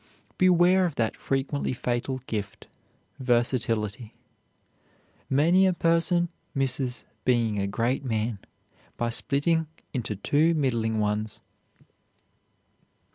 Beware of that frequently fatal gift, versatility. Many a person misses being a great man by splitting into two middling ones.